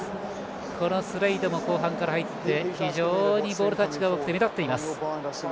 スレイドも後半から入って非常にボールタッチが多くて目立っています。